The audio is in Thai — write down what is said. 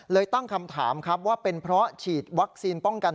ตั้งคำถามครับว่าเป็นเพราะฉีดวัคซีนป้องกัน